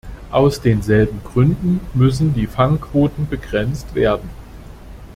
Aus denselben Gründen müssen die Fangquoten begrenzt werden.